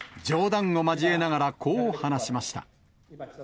冗談を交えながらこう話しました。